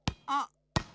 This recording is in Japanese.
あっ！